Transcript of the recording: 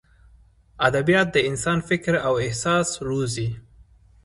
ادبیات د انسان فکر او احساس روزي.